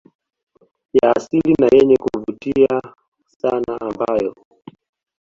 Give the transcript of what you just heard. ya asili na yenye kuvutia sana ambayo